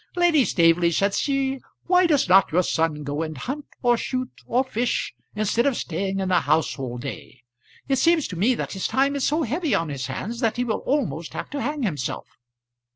"Lady Staveley," said she, "why does not your son go and hunt, or shoot, or fish, instead of staying in the house all day? It seems to me that his time is so heavy on his hands that he will almost have to hang himself."